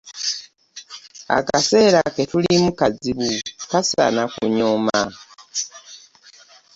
Akaseera ke tulimu kazibu tekasaana kunyooma.